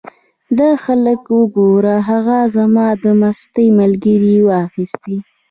دا خلک وګوره! هغه زما د مستۍ ملګری یې واخیست.